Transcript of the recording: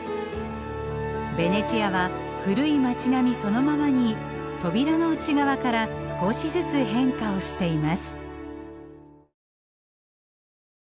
ベネチアは古い町並みそのままに扉の内側から少しずつ変化をしています。